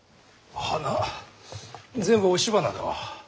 花全部押し花だわ。